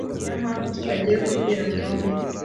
Niyo mpamvu tutagiye kubwira Tom.